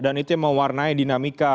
dan itu yang mewarnai dinamika